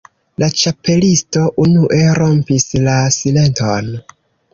La Ĉapelisto unue rompis la silenton.